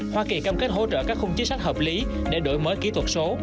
hoa kỳ cam kết hỗ trợ các khung chính sách hợp lý để đổi mới kỹ thuật số